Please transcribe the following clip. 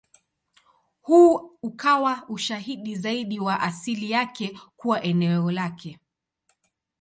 Huu ukawa ushahidi zaidi wa asili yake kuwa eneo lake.